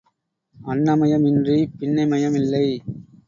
அன்னமயம் இன்றிப் பின்னை மயம் இல்லை.